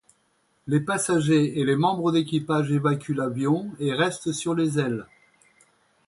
Les passagers et les membres d'équipage évacuent l'avion et restent sur les ailes.